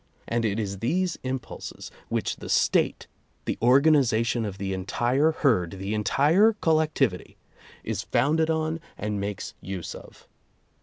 And it is these impulses which the State — the or ganization of the entire herd, the entire collectivity — is founded on and makes use of.